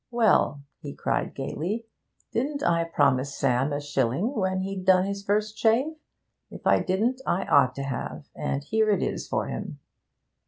'Well,' he cried gaily, 'didn't I promise Sam a shilling when he'd done his first shave? If I didn't I ought to have done, and here it is for him.'